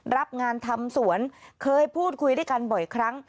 รับงานทำสวนเคยพูดคุยด้วยกันบ่อยครั้ง